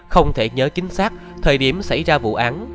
không thể nhớ chính xác thời điểm xảy ra vụ án